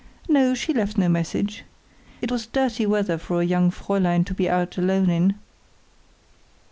No, she left no message. It was dirty weather for a young Fräulein to be out alone in.